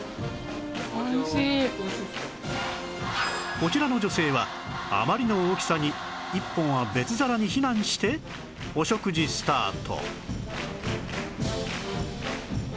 こちらの女性はあまりの大きさに一本は別皿に避難してお食事スタート